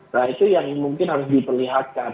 nah itu yang mungkin harus diperlihatkan